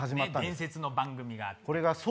伝説の番組があってね。